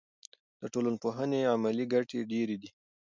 د ټولنپوهنې عملي ګټې ډېرې دي.